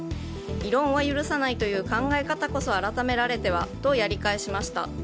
異論は許さないという考え方こそ改められては、とやり返しました。